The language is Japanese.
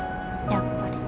やっぱり。